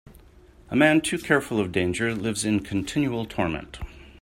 A man too careful of danger lives in continual torment.